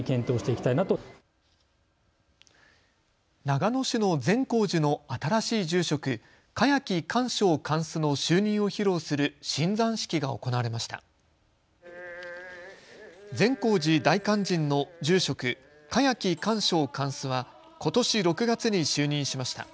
長野市の善光寺の新しい住職、栢木寛照貫主の就任を披露する晋山式が行われました。